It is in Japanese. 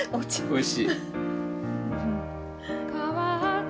おいしい。